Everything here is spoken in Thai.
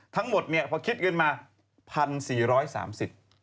ทั้งหมดพอคิดขึ้นมา๑๔๓๐บาท